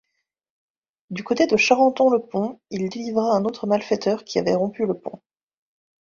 Du côté de Charenton-le-Pont, il délivra un autre malfaiteur qui avait rompu le pont.